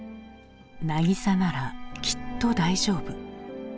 「なぎさならきっと大丈夫」。